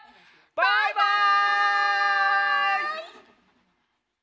バイバイ！